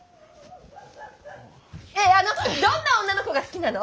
あのどんな女の子が好きなの？